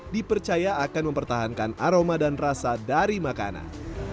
dipercaya akan mempertahankan aroma dan rasa dari makanan